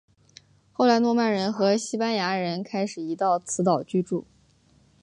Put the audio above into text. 后来诺曼人和西班牙人开始移到此岛居住。